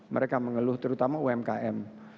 mereka mengeluh terutama umkm